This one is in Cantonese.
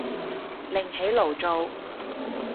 另起爐灶